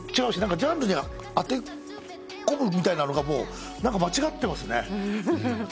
ジャンルに当て込むみたいなのが間違ってますね。